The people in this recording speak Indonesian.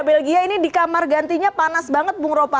belgia ini di kamar gantinya panas banget bung ropan